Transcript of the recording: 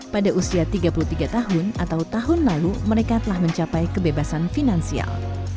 pada usia tiga puluh tiga tahun atau tahun lalu mereka telah mencapai kebebasan finansial